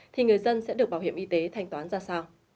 thì người dân sẽ được bảo hiểm y tế thanh toán ra sao